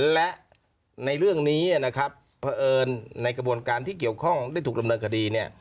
และในเรื่องนี้นะครับเพราะเอิญในกระบวนการที่เกี่ยวข้องได้ถูกดำเนินคดีเนี่ย